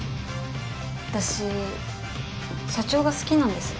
私社長が好きなんです。